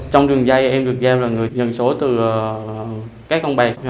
trong đường dây em được giao là người nhận số từ các công bài